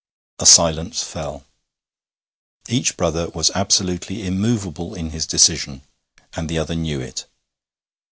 A silence fell. Each brother was absolutely immovable in his decision, and the other knew it.